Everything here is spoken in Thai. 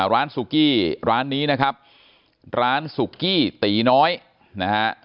ร้านสุกี้นี้นะครับร้านสุกี้ตีน้อยนะครับ